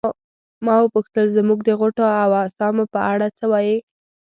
ما وپوښتل زموږ د غوټو او اسامو په اړه څه وایې.